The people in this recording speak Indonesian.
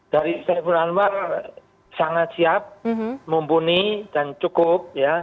dari saiful anwar sangat siap mumpuni dan cukup ya